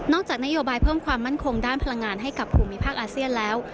จากนโยบายเพิ่มความมั่นคงด้านพลังงานให้กับภูมิภาคอาเซียนแล้ว